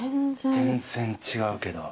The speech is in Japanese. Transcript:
全然違うけど。